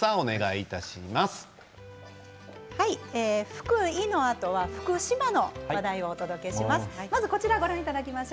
福井のあとは福島の話題をお届けします。